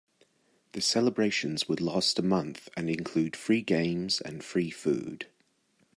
The celebrations would last a month and include free games and free food.